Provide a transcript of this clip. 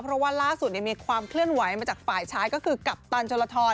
เพราะว่าล่าสุดมีความเคลื่อนไหวมาจากฝ่ายชายก็คือกัปตันชนลทร